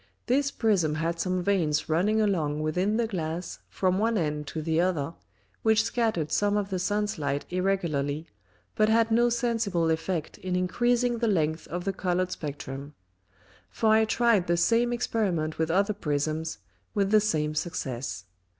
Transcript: This Prism had some Veins running along within the Glass from one end to the other, which scattered some of the Sun's Light irregularly, but had no sensible Effect in increasing the Length of the coloured Spectrum. For I tried the same Experiment with other Prisms with the same Success.